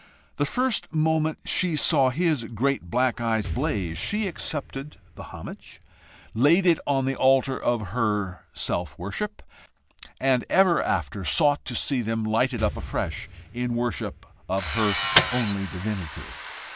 The first moment she saw his great black eyes blaze, she accepted the homage, laid it on the altar of her self worship, and ever after sought to see them lighted up afresh in worship of her only divinity.